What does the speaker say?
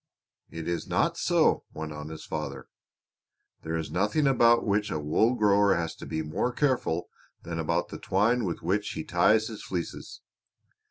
"It is not so," went on his father. "There is nothing about which a wool grower has to be more careful than about the twine with which he ties his fleeces.